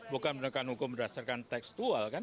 bukan menegakkan hukum berdasarkan tekstual kan